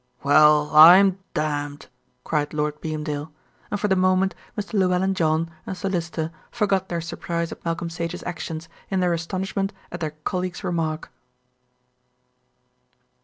"Well, I'm damned!" cried Lord Beamdale, and for the moment Mr. Llewelyln John and Sir Lyster forgot their surprise at Malcolm Sage's actions in their astonishment at their colleague's remark.